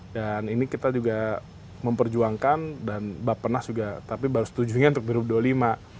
dan ini kita juga memperjuangkan dan mbak pernas juga tapi baru setujunya untuk di rupdolima